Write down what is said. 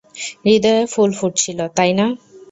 হৃদয়ে ফুল ফুটছিল, তাই না?